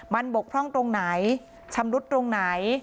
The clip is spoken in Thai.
มันบกพร่องตรงไหนชำรุดตรงไหน